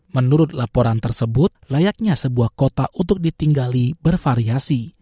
menurut laporan tersebut layaknya sebuah kota untuk ditinggali bervariasi